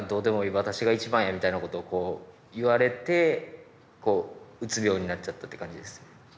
私が一番や」みたいなことをこう言われてうつ病になっちゃったって感じです。